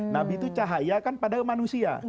nabi itu cahaya kan padahal manusia